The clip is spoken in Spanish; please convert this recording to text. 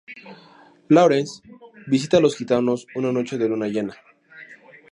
Lawrence visita a los gitanos una noche de luna llena.